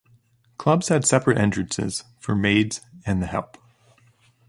Clubs had separate entrances for maids and the help.